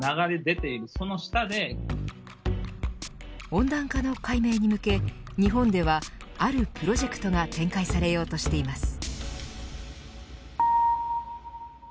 温暖化の解明に向け日本では、あるプロジェクトが展開されようとしています。